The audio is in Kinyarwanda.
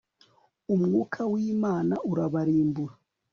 umwuka w'imana urabarimbura